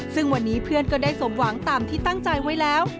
ซึ่งวันนี้เพื่อนก็ได้สมหวังตามที่ตั้งใจไว้แล้ว